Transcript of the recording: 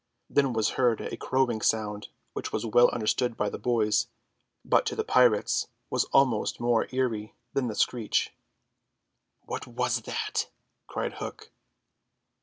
Then was heard a crowing sound which was well understood by the boys, but to the pirates was almost more eerie than the screech. "What was that?" cried Hook.